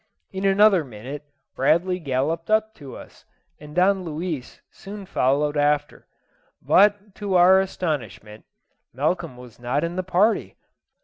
In another minute Bradley galloped up to us, and Don Luis soon followed after; but, to our astonishment, Malcolm was not of the party.